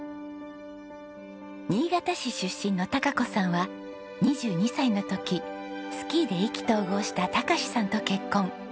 新潟市出身の貴子さんは２２歳の時スキーで意気投合した孝さんと結婚。